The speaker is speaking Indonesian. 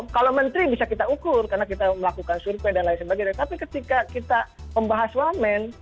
kalau menteri bisa kita ukur karena kita melakukan survei dan lain sebagainya tapi ketika kita membahas wamen